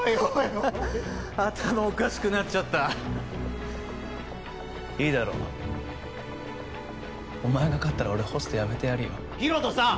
おい頭おかしくなっちゃったいいだろうお前が勝ったら俺ホストやめてやるよヒロトさん！